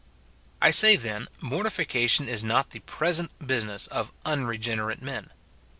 I say, then, mortification is not the present business of unregenerate men.